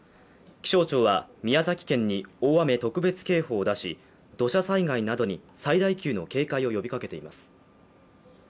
気象庁は宮崎県に大雨特別警報を出し土砂災害などに最大級の警戒を呼びかけています。